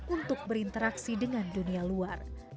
untuk berinteraksi dengan dunia luar